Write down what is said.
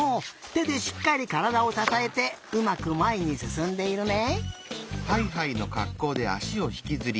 てでしっかりからだをささえてうまくまえにすすんでいるね。